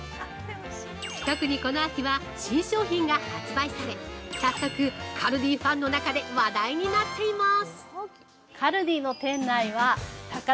特に、この秋は新商品が発売され早速カルディファンの中で話題になっています！